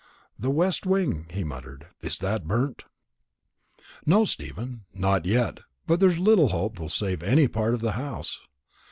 "The west wing," he muttered; "is that burnt?" "No, Stephen, not yet; but there's little hope they'll save any part of the house."